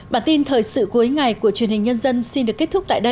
bản tin thời gian sau